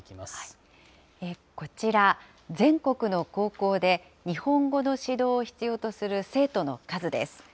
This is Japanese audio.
こちら、全国の高校で、日本語の指導を必要とする生徒の数です。